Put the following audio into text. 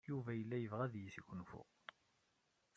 Yuba yella yebɣa ad yesgunfu.